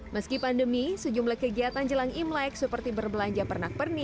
meski pandemi sejumlah kegiatan jelang imlek seperti berbelanja pernak pernik